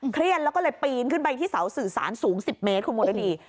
เครียดแล้วก็เลยปีนขึ้นไปที่เสาสื่อสารสูง๑๐เมตรคุณมรดี